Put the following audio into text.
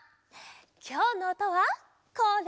きょうのおとはこれ。